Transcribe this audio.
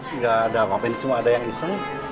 enggak ada cuma ada yang bisa